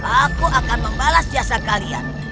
aku akan membalas jasa kalian